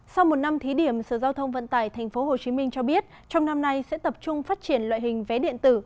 sau một năm thí điểm sở giao thông vận tải tp hcm cho biết trong năm nay sẽ tập trung phát triển loại hình vé điện tử